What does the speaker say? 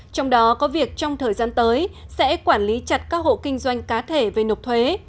trong đó có việc trong thời gian tới sẽ quản lý chặt các hộ kinh doanh cá thể về nộp thuế